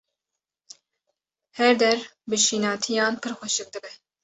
Her der bi şînatiyan pir xweşik dibe.